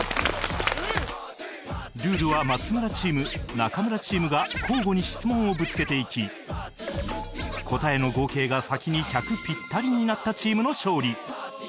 ルールは松村チーム中村チームが交互に質問をぶつけていき答えの合計が先に１００ピッタリになったチームの勝利